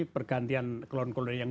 pergantian kolon kolon yang